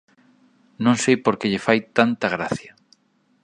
_Non sei por que lle fai tanta gracia.